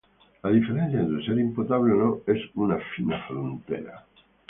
La diferencia entre ser imputable o no es una fina frontera.